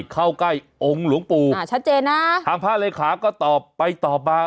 เขากล้ายองห์งหลวงปู่อ่าชัดเจนนะถามพระราชาวิทยาลัยละก็ตอบไปต่อมา